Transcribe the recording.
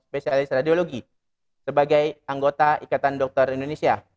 spesialis radiologi sebagai anggota ikatan dokter indonesia